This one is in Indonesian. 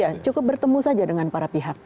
ya cukup bertemu saja dengan para pihak